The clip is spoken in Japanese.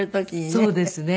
そうですね。